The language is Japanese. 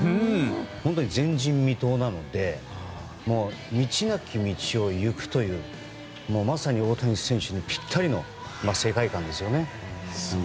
本当に前人未到なので道なき道を行くというまさに大谷選手にぴったりの世界観ですよね。